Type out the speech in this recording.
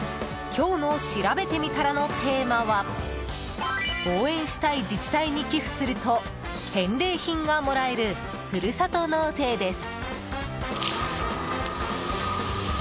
今日のしらべてみたらのテーマは応援したい自治体に寄付すると返礼品がもらえるふるさと納税です。